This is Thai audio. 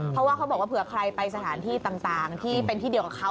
เพราะว่าเขาบอกว่าเผื่อใครไปสถานที่ต่างที่เป็นที่เดียวกับเขา